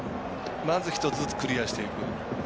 まず１つずつクリアしていく。